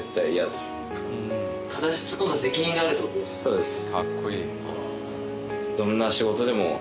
そうです